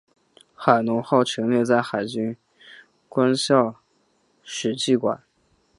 海龙号陈列在海军官校史绩馆。